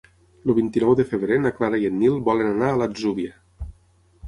El vint-i-nou de febrer na Clara i en Nil volen anar a l'Atzúbia.